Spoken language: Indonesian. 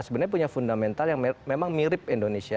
sebenarnya punya fundamental yang memang mirip indonesia